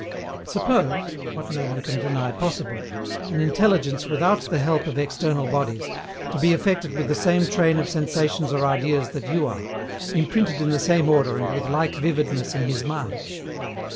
Suppose what no one can deny possible an intelligence without the help of external bodies, to be affected with the same train of sensations or ideas that you are, imprinted in the same order and with like vividness in his mind.